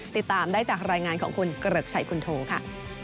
ติดตามได้จากรายงานของคุณเกริกชัยคุณโทค่ะ